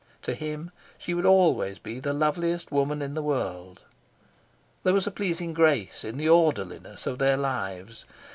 To him she would always be the loveliest woman in the world. There was a pleasing grace in the orderliness of their lives.